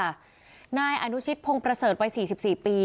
ไหนอานุชิษภงเปรสิรไป๔๔ปี